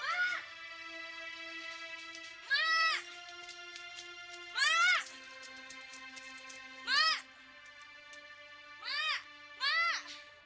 akan menyalahkan hak advertensi